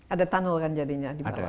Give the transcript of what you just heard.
ada tunnel kan jadinya di bawah